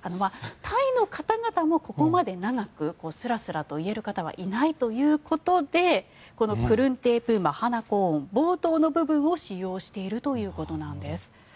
タイの方々もここまで長くスラスラと言える方はいないということでこのクルンテープ・マハナコーン冒頭の部分を使用しているということなんです。